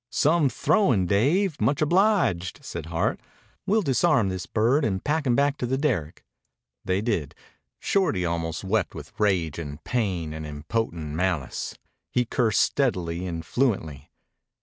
"Some throwin', Dave. Much obliged," said Hart. "We'll disarm this bird and pack him back to the derrick." They did. Shorty almost wept with rage and pain and impotent malice. He cursed steadily and fluently.